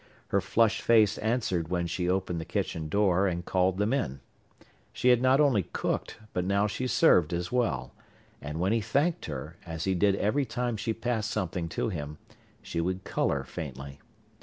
Her flushed face answered when she opened the kitchen door and called them in. She had not only cooked but now she served as well, and when he thanked her, as he did every time she passed something to him, she would colour faintly.